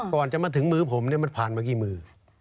ก่อนจะมาถึงมือผมเนี่ยมันผ่านมากี่มือ